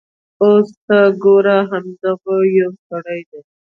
اوس ته ګوره همدغه یو سړی دی.